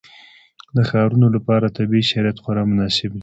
د ښارونو لپاره طبیعي شرایط خورا مناسب دي.